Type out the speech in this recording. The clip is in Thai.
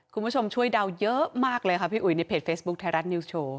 คุณผู้ชมช่วยเดาเยอะมากเลยค่ะพี่อุ๋ยในเพจเฟซบุ๊คไทยรัฐนิวโชว์